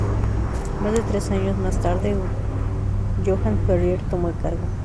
Más de tres años más tarde, Johan Ferrier tomó el cargo.